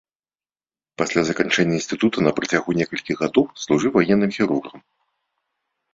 Пасля заканчэння інстытута на працягу некалькіх гадоў служыў ваенным хірургам.